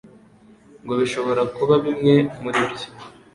ngo bishobora kuba bimwe muribyo